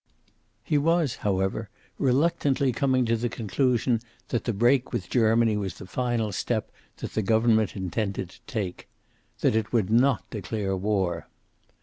He was, however, reluctantly coming to the conclusion that the break with Germany was the final step that the Government intended to take. That it would not declare war.